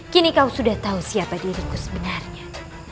kini kau sudah tahu siapa diriku sebenarnya